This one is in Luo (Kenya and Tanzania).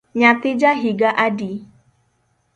Nyathi ja higa adi?